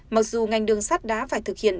mặc dù ngành đường sắt đã phải thực hiện